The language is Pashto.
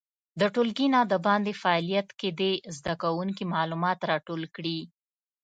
د ټولګي نه د باندې فعالیت کې دې زده کوونکي معلومات راټول کړي.